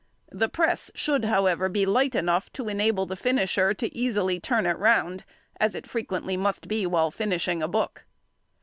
The press should, however, be light enough to enable the finisher to easily turn it round, as it frequently must be, while finishing a book.